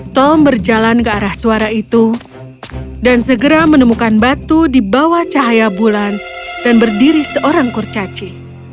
tom berjalan ke arah suara itu dan segera menemukan batu di bawah cahaya bulan dan berdiri seorang kurcaci